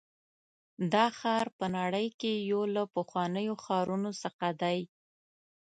دا ښار په نړۍ کې یو له پخوانیو ښارونو څخه دی.